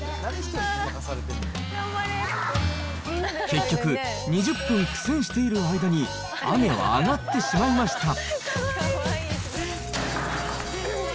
結局、２０分苦戦している間に、雨は上がってしまいました。